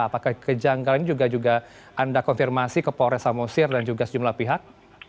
apakah kejanggalan ini juga juga anda konfirmasi ke polresa mosir dan juga sejumlah pihak